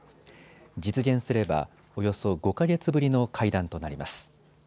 実現すればおよそ５か月ぶりの会談となります。